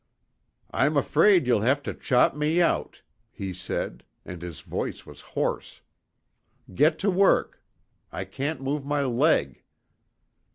"I'm afraid you'll have to chop me out," he said, and his voice was hoarse. "Get to work; I can't move my leg."